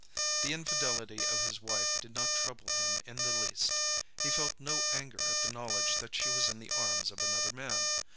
The infidelity of his wife did not trouble him in the least. He felt no anger at the knowledge that she was in the arms of another man.